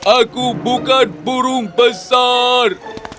aku bukan burung besar